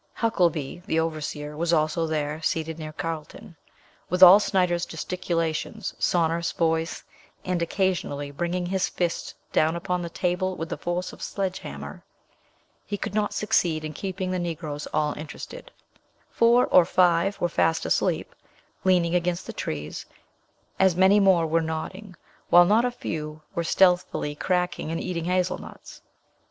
Huckelby, the overseer, was also there, seated near Carlton. With all Snyder's gesticulations, sonorous voice, and occasionally bringing his fist down upon the table with the force of a sledge hammer, he could not succeed in keeping the Negroes all interested: four or five were fast asleep, leaning against the trees; as many more were nodding, while not a few were stealthily cracking, and eating hazelnuts.